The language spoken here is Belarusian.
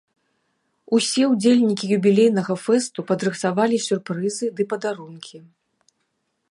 Усе ўдзельнікі юбілейнага фэсту падрыхтавалі сюрпрызы ды падарункі.